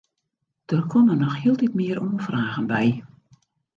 Der komme noch hieltyd mear oanfragen by.